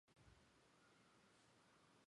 纽约红牛卡达斯国民体育会